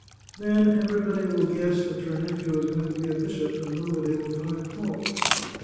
Then everybody will guess that your nephew is going to be a bishop, and nobody will find fault.